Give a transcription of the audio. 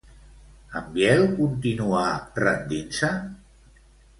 En Biel continuà rendint-se?